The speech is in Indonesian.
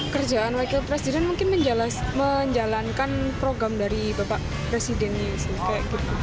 kerjaan wakil presiden mungkin menjalankan program dari bapak presidennya sih